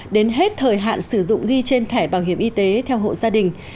đến hết thời hạn sử dụng ghi trên thẻ bảo hiểm y tế theo hộ gia đình